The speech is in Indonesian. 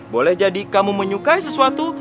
boleh jadi kamu menyukai sesuatu